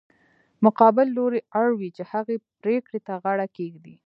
مقابل لوری اړ وي چې هغې پرېکړې ته غاړه کېږدي.